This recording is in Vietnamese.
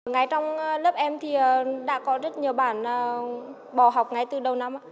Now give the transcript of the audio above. ngay trong lớp em thì đã có rất nhiều bản bỏ học ngay từ đầu năm